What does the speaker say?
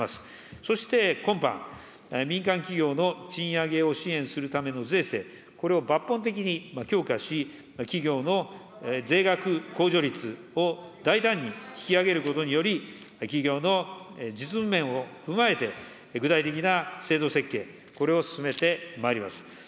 そして今般、民間企業の賃上げを支援するための税制、これを抜本的に強化し、企業の税額控除率を大胆に引き上げることにより、企業の実務面を踏まえて、具体的な制度設計、これを進めてまいります。